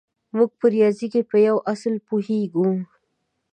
موږ په ریاضي کې په یوه اصل پوهېږو